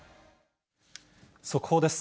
速報です。